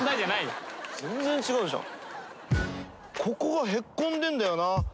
ここがへっこんでんだよな。